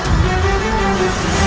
aku akan mencari dia